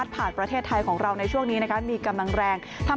ผ่านประเทศไทยของเราในช่วงนี้นะคะมีกำลังแรง